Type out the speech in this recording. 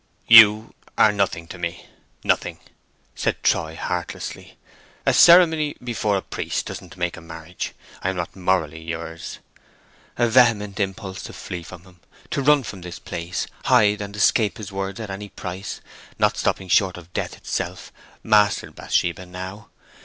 "You are nothing to me—nothing," said Troy, heartlessly. "A ceremony before a priest doesn't make a marriage. I am not morally yours." A vehement impulse to flee from him, to run from this place, hide, and escape his words at any price, not stopping short of death itself, mastered Bathsheba now.